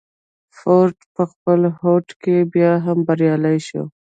فورډ په خپل هوډ کې بيا هم بريالی شو.